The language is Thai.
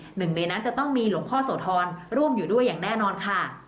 หนึ่งในนั้นจะต้องมีหลวงพ่อโสธรร่วมอยู่ด้วยอย่างแน่นอนค่ะ